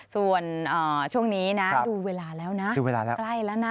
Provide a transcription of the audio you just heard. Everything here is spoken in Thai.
ส่วนช่วงนี้ดูเวลาแล้วนะใกล้แล้วนะ